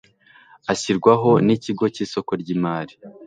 ashyirwaho n Ikigo cy isoko ry imari